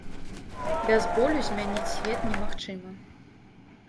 Без болю змяніць свет немагчыма.